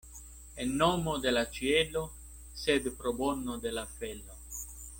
En nomo de la ĉielo, sed pro bono de la felo.